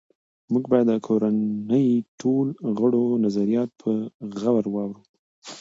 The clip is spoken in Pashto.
موږ باید د کورنۍ ټولو غړو نظریات په غور واورو